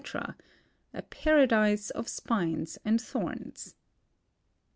— a paradise of spines and thorns.